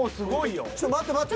ちょっと待って待って。